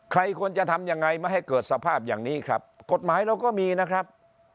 ใครควรจะทำยังไงไม่ให้เกิดสภาพอย่างนี้ครับกฎหมายเราก็มีนะครับ